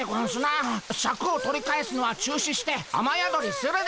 シャクを取り返すのは中止してあまやどりするでゴンス。